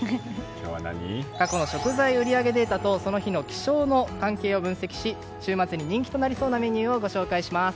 過去の食材売り上げデータとその日の気象の関係を分析し週末に人気となりそうなメニューをご紹介します。